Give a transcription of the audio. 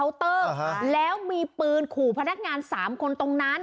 แล้วมีปืนขู่พนักงานสามคนตรงนั้น